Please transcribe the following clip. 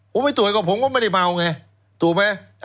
ผมไปตรวจก็ผมก็ไม่ได้เมาไงถูกไหม